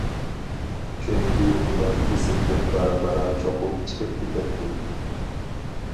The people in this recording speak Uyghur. چۈنكى ئۇلار ئېسىمدىن بارا-بارا چوقۇم چىقىپ كېتەتتى.